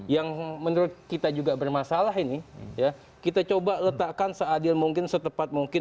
yang menurut kita juga bermasalah ini kita coba letakkan seadil mungkin setepat mungkin